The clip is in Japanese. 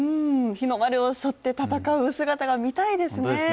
日の丸を背負って戦う姿が見たいですよね。